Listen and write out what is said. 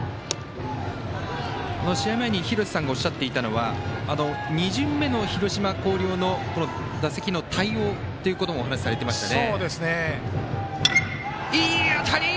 試合前に廣瀬さんがおっしゃっていたのは２巡目の広島・広陵の打席の対応ってこともお話されてましたね。